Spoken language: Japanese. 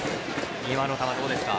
今の球どうですか？